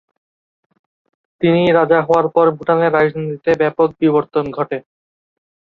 তিনি রাজা হওয়ার পর ভুটানের রাজনীতিতে ব্যাপক বিবর্তন ঘটে।